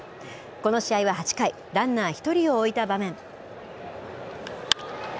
この試合は８回、ランナー１人を置いた場面。